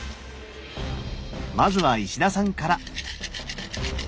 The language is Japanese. まずは石田さんから。